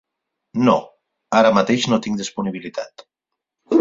No, ara mateix no tinc disponibilitat.